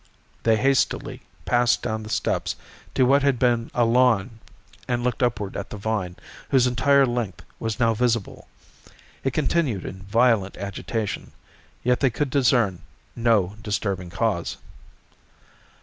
They hastily passed down the steps to what had been a lawn and looked upward at the vine, whose entire length was now visible. It continued in violent agitation, yet they could discern no disturbing cause.